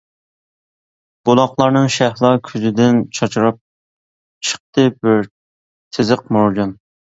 بۇلاقلارنىڭ شەھلا كۆزىدىن، چاچراپ چىقتى بىر تىزىق مارجان.